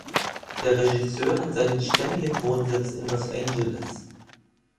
Der Regisseur hat seinen ständigen Wohnsitz in Los Angeles.